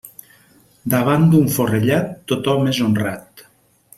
Davant d'un forrellat, tothom és honrat.